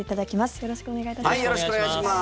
よろしくお願いします。